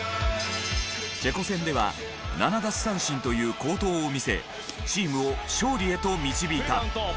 チェコ戦では７奪三振という好投を見せチームを勝利へと導いた。